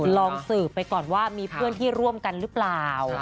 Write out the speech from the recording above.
ลองสืบไปก่อนว่ามีเพื่อนที่ร่วมกันหรือเปล่า